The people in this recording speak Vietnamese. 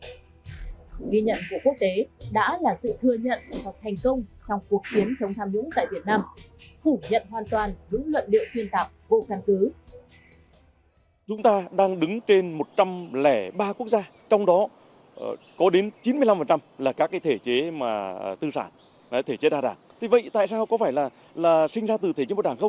ghi nhận của quốc tế đã là sự thừa nhận cho thành công trong cuộc chiến chống tham nhũng tại việt nam